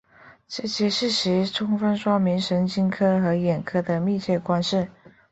这些事实充分说明神经科和眼科的密切关系。